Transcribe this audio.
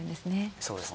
そうですね。